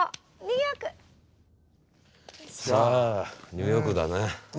ニューヨークだね。